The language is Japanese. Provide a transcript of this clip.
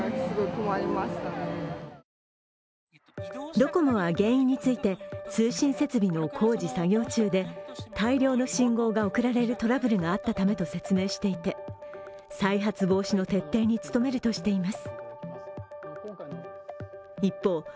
ドコモは、原因について通信設備の工事作業中で大量の信号が送られるトラブルがあったためと説明していて再発防止の徹底に努めるとしています。